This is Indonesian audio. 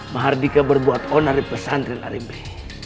mahardika berbuat onar di pesantren arimbi